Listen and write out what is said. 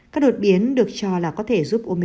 các đột biến được cho là có thể dùng để phát triển